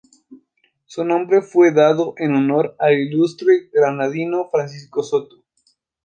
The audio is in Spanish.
Su nombre fue dado en honor al ilustre granadino Francisco Soto.